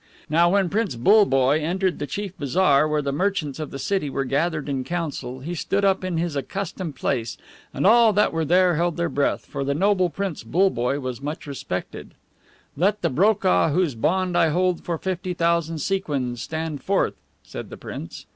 Now when Prince BULLEBOYE entered the chief bazaar, where the merchants of the city were gathered in council, he stood up in his accustomed place, and all that were there held their breath, for the noble Prince BULLEBOYE was much respected. "Let the BROKAH, whose bond I hold for fifty thousand sequins, stand forth!" said the prince.